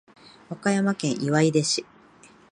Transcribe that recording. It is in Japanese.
和歌山県岩出市